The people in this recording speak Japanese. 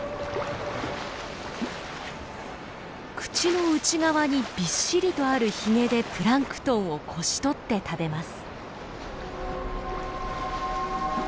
口の内側にびっしりとあるヒゲでプランクトンをこし取って食べます。